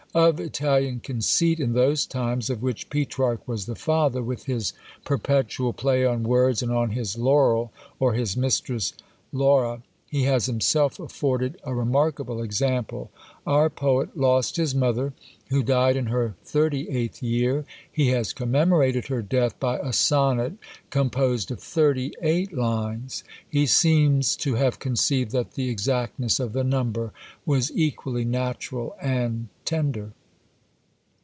Of Italian conceit in those times, of which Petrarch was the father, with his perpetual play on words and on his Laurel, or his mistress Laura, he has himself afforded a remarkable example. Our poet lost his mother, who died in her thirty eighth year: he has commemorated her death by a sonnet composed of thirty eight lines. He seems to have conceived that the exactness of the number was equally natural and tender.